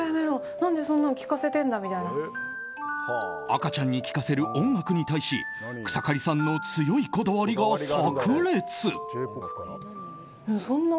赤ちゃんに聴かせる音楽に対し草刈さんの強いこだわりが炸裂。